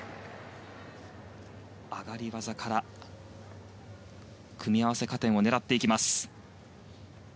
上がり技から組み合わせ加点を狙ってきます。